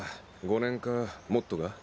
５年かもっとか？